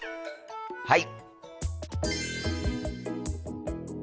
はい！